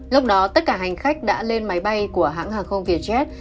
lúc đó tất cả hành khách đã lên máy bay của hãng hàng không vietjet